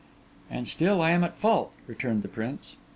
'And still I am at fault,' returned the prince.